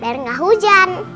biar nggak hujan